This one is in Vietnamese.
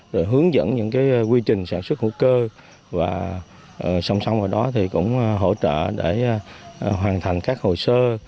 rồi hướng dẫn những quy trình sản xuất hữu cơ và song song vào đó thì cũng hỗ trợ để hoàn thành các hồ sơ